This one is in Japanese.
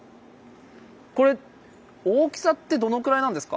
これ大きさってどのくらいなんですか？